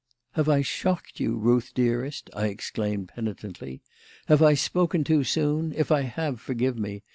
"Have I shocked you, Ruth, dearest?" I exclaimed penitently, "have I spoken too soon? If I have, forgive me.